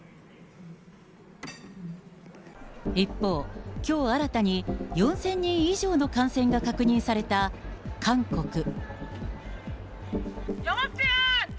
一方、きょう新たに４０００人以上の感染が確認された韓国。